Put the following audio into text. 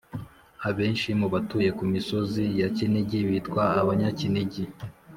Abenshi mu batuye ku misozi ya Kinigi bitwa Abanyakinigi.